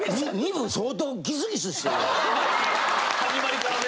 ・始まりからね